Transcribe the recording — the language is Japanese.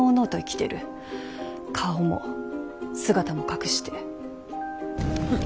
顔も姿も隠して。